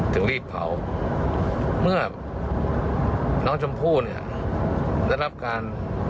ถึงรีบเผาเมื่อน้องชมพู่เนี่ยได้รับการ